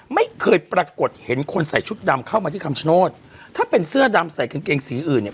ไม่เคยปรากฏเห็นคนใส่ชุดดำเข้ามาที่คำชโนธถ้าเป็นเสื้อดำใส่กางเกงสีอื่นเนี่ย